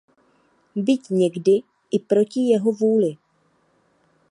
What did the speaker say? Byť někdy i proti jeho vůli.